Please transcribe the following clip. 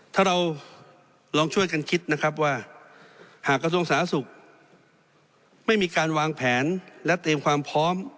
ถ้าเราลองช่วยกันคิดนะครับว่าหากกระทรวงสาธารณสุขไม่มีการวางแผนและเตรียมความพร้อม